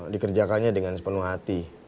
dikerjakannya dengan sepenuh hati